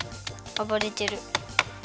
あばれてる。